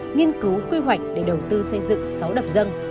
nghiên cứu quy hoạch để đầu tư xây dựng sáu đập dân